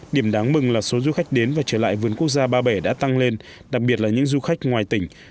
điểm đáng mừng là số du khách đến và trở lại vườn quốc gia ba bể đã tăng lên đặc biệt là những du khách ngoài tỉnh